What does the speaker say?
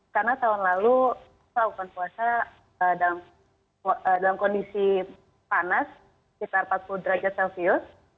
karena tahun lalu saya lakukan puasa dalam kondisi panas sekitar empat puluh derajat celcius